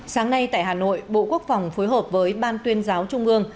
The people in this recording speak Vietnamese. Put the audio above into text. sáng nay tại hà nội bộ quốc phòng phối hợp với ban tuyên giáo trung ương